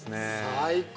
最高。